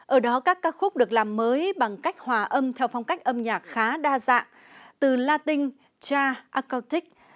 ở đó các ca khúc được làm mới bằng cách hòa âm theo phong cách âm nhạc khá đa dạng từ latin cha akaotic